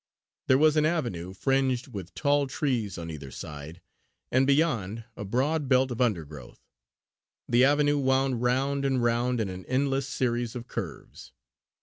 There was an avenue, fringed with tall trees on either side, and beyond a broad belt of undergrowth. The avenue wound round and round in an endless series of curves.